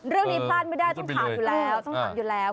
เรื่องนี้ต้องถามอยู่แล้ว